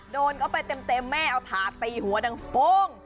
โดนเข้าไปเต็มแม่เอาถาดตีหัวดังโป้ง